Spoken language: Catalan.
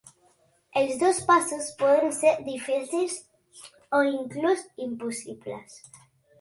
Els dos passos poden ser difícils o inclús impossibles.